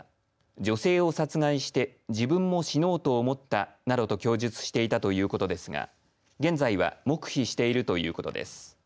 女性を殺害して自分も死のうと思ったなどと供述したということですが現在は黙秘しているということです。